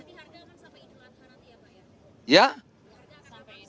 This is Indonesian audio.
tapi harga kan sampai ini lah kan nanti ya pak ya